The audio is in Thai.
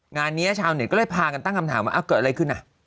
งานนี้ชาวเน็ตก็เลยพากันตั้งคำถามว่าเกิดอะไรขึ้น